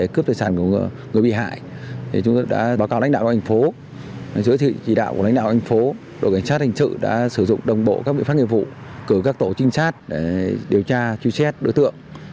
cảnh sát hình sự đã sử dụng đồng bộ các biện pháp nghiệp vụ cử các tổ trinh sát để điều tra truy xét đối tượng